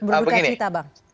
terut berduka kita bang